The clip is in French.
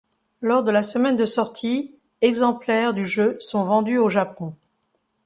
Lors de la semaine de sortie, exemplaires du jeu sont vendus au Japon.